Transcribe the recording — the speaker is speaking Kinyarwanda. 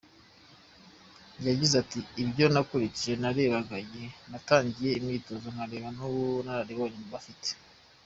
Yagize ati “Ibyo nakurikije, narebaga igihe batangiriye imyitozo nkareba n’ubunararibonye bafite.